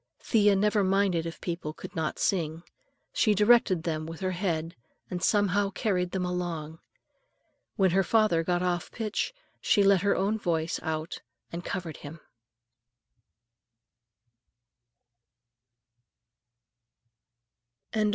Thea never minded if people could not sing; she directed them with her head and somehow carried them along. When her father got off the pitch she let her own voice out and covered him.